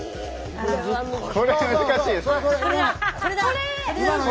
これ難しいですね。